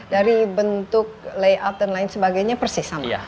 dari bentuk layout dan lain sebagainya persis sama